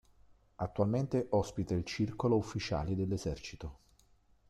Attualmente ospita il "Circolo Ufficiali dell'Esercito".